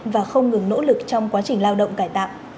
và không ngừng nỗ lực trong quá trình lao động cải tạo